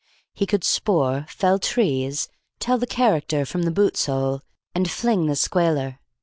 He could spoor, fell trees, tell the character from the boot sole, and fling the squaler.